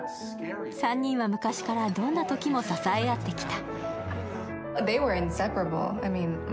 ３人は昔からどんなときも支え合ってきた。